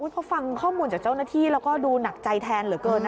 พอฟังข้อมูลจากเจ้าหน้าที่แล้วก็ดูหนักใจแทนเหลือเกินนะ